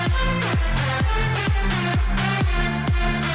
sama sama dengan komputer